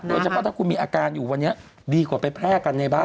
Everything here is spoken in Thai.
โดยเฉพาะถ้าคุณมีอาการอยู่วันนี้ดีกว่าไปแพร่กันในบ้าน